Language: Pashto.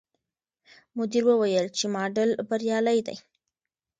مدیر وویل چې ماډل بریالی دی.